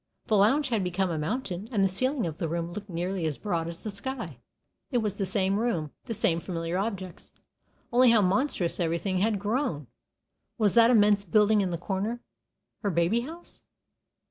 The lounge had become a mountain, and the ceiling of the room looked nearly as broad as the sky. It was the same room, the same familiar objects, only how monstrous everything had grown! Was that immense building in the corner her baby house?